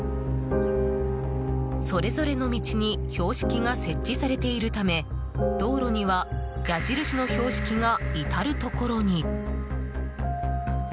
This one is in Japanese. それぞれの道に標識が設置されているため道路には矢印の標識が至るところに。